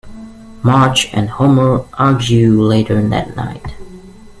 Marge and Homer argue later that night.